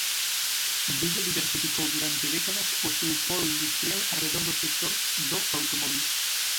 Vigo diversificou durante décadas o seu polo industrial arredor do sector do automóbil.